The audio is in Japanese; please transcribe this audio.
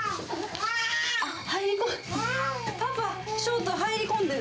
あ、入り込んでる。